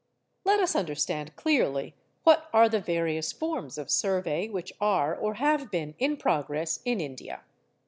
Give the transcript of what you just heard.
Let us understand clearly what are the various forms of survey which are or have been in progress in India.